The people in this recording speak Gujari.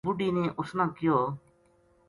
بُڈھی نے اس نا کہیو